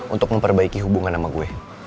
untuk memperbaiki hubungan sama gue